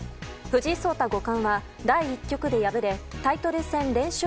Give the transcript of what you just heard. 藤井聡太五冠は第１局で敗れタイトル戦連勝